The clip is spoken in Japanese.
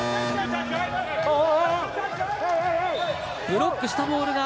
ブロックしたボールが。